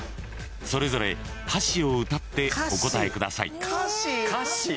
［それぞれ歌詞を歌ってお答えください］